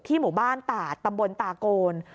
ที่หมู่บ้านตาตำบลตากร